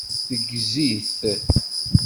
Teggez-it.